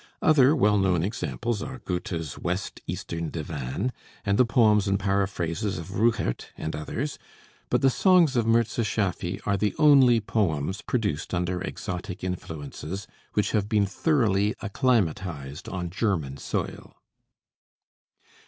Other well known examples are Goethe's 'West Eastern Divan,' and the poems and paraphrases of Rückert and others; but the 'Songs of Mirza Schaffy' are the only poems produced under exotic influences which have been thoroughly acclimatized on German soil.